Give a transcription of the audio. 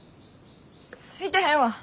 すすいてへんわ！